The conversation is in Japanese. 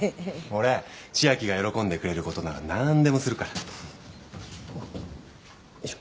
俺千明が喜んでくれることなら何でもするから。